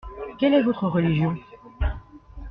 Quelle est votre religion ?